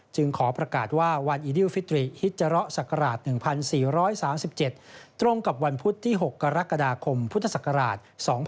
ขอประกาศว่าวันอีดิวฟิตรีฮิจาระศักราช๑๔๓๗ตรงกับวันพุธที่๖กรกฎาคมพุทธศักราช๒๕๖๒